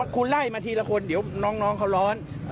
คุณไล่มาทีละคนเดี๋ยวน้องเขาร้อน